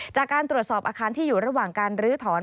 จากการตรวจสอบอาคารที่อยู่ระหว่างการลื้อถอน